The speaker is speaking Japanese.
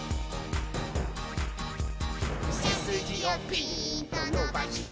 「せすじをピーンとのばして」